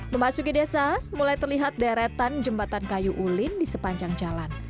memasuki desa mulai terlihat deretan jembatan kayu ulin di sepanjang jalan